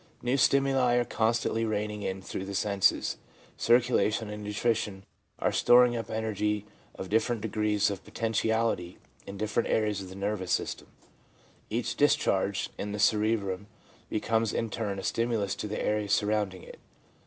New stimuli are constantly raining in through the senses ; circulation and nutrition are storing up energy of different degrees of potentiality in different areas of the nervous system ; each discharge in the cerebrum becomes in turn a stimulus to the areas surrounding it.